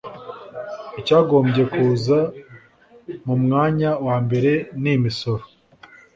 icyagombye kuza mu mwanya wa mbere n’imisoro